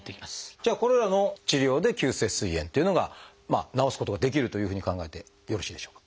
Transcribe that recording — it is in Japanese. じゃあこれらの治療で急性すい炎っていうのが治すことができるというふうに考えてよろしいでしょうか？